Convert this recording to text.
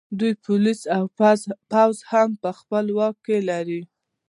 دوی پولیس او پوځ هم په خپل واک کې لري